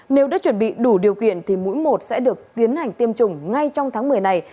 nếu đã chuẩn bị đủ điều kiện thì mũi một sẽ được tiến hành tiêm chủng ngay trong tháng một mươi này